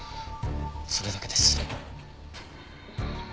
それだけです。